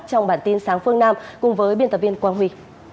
trong bản tin sáng phương nam cùng với biên tập viên quang huy